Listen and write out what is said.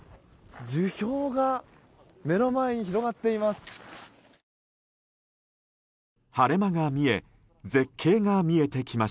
樹氷が目の前に広がっています。